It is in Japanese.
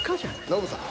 ノブさん。